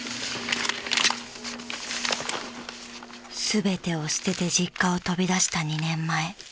［全てを捨てて実家を飛び出した２年前］